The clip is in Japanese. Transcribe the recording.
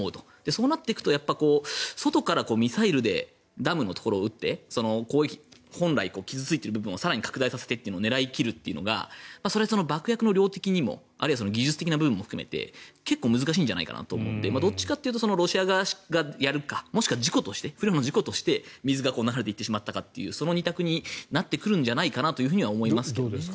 そうなっていくと外からミサイルでダムのところを撃って本来傷付いている部分を更に拡大させてというのを狙い切るというのはそれは爆薬の量的にもあるいは技術的な部分も含めて結構難しいんじゃないかと思うのでどっちかというとロシア側がやるかもしくは不慮の事故として水が流れていってしまったかというその二択になってくるんじゃないかなと思いますけどね。